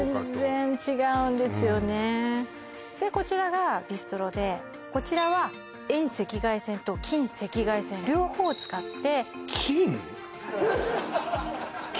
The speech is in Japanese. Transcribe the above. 全然違うんですよねでこちらがビストロでこちらは遠赤外線と近赤外線両方を使って近？